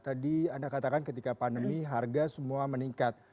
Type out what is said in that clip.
tadi anda katakan ketika pandemi harga semua meningkat